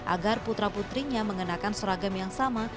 agar putra putrinya mengenakan seragam yang sama